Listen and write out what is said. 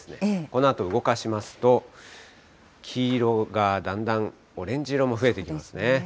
このあと動かしますと、黄色がだんだんオレンジ色も増えてきますね。